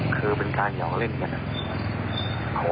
คือเป็นการหยอกเล่นกัน